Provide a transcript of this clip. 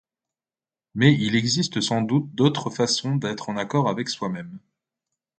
Mais il existe sans doute d'autres façon d'être en accord avec soi même.